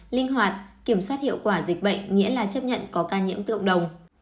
linh hoạt kiểm soát hiệu quả dịch bệnh nghĩa là chấp nhận có ca nhiễm cộng đồng